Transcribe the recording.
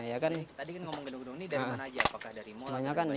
tadi kan ngomong gedung gedung ini dari mana aja apakah dari mall atau gimana